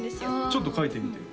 ちょっと書いてみてよ